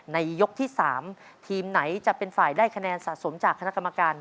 ยกที่๓ทีมไหนจะเป็นฝ่ายได้คะแนนสะสมจากคณะกรรมการ